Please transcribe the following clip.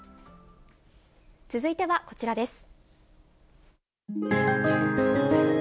続いてはこちらです。